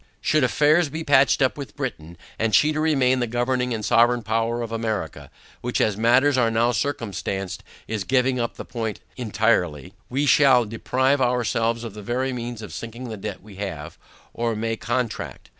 Should affairs be patched up with Britain, and she to remain the governing and sovereign power of America, (which, as matters are now circumstanced, is giving up the point intirely) we shall deprive ourselves of the very means of sinking the debt we have, or may contract.